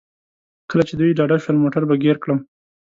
کله چې دوی ډاډه شول موټر به ګیر کړم.